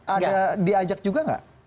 ada diajak juga nggak